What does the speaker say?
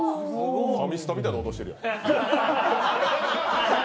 ファミスタみたいな音してるよ。